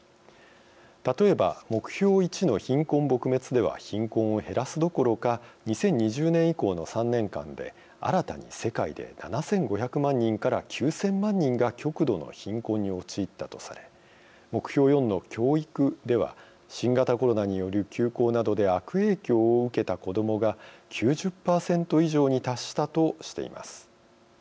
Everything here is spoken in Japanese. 例えば、目標１の貧困撲滅では貧困を減らすどころか２０２０年以降の３年間で新たに世界で７５００万人から９０００万人が極度の貧困に陥ったとされ目標４の教育では新型コロナによる休校などで悪影響を受けた子どもが９０％以上に達したとしています。